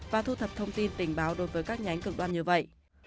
và thu thập thông tin tình báo đối với các nhánh cực đoan như vậy